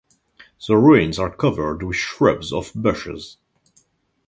The ruins are covered with shrubs of bushes.